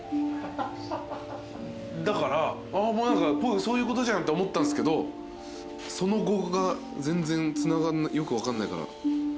だからそういうことじゃんって思ったんすけどその後が全然よく分かんないから。